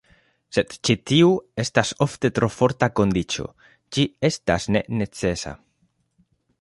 Sed ĉi tiu estas ofte tro forta kondiĉo, ĝi estas ne "necesa".